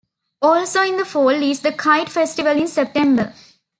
Also in the fall is the Kite Festival in September.